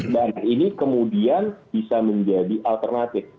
dan ini kemudian bisa menjadi alternatif